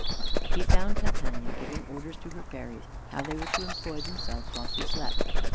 He found Titania giving orders to her fairies, how they were to employ themselves while she slept.